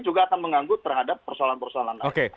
juga akan menganggut terhadap persoalan persoalan lain